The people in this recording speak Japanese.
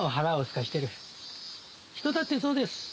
人だってそうです。